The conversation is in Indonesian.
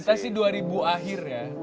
saya sih dua ribu akhir ya